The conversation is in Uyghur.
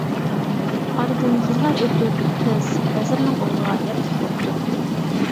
ئارىدىن يىللار ئۆتۈپ قىز ۋەزىرنىڭ ئوغلىغا ياتلىق بوپتۇ.